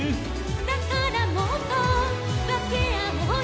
「だからもっとわけあおうよ」